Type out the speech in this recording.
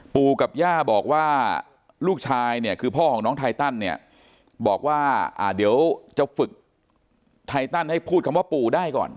ปู่กับย่าบอกว่าลูกชายเนี่ยคือพ่อของน้องไทตันเนี่ยบอกว่าเดี๋ยวจะฝึกไทตันให้พูดคำว่าปู่ได้ก่อน